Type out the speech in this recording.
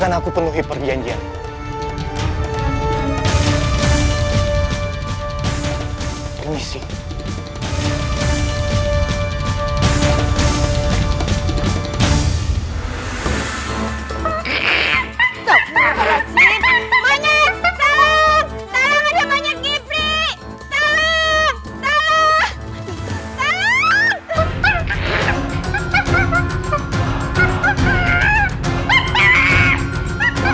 aku sudah mengabulkan permintaanmu